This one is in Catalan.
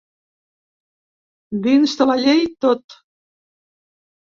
Dins de la llei, tot.